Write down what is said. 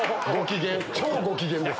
超ご機嫌です。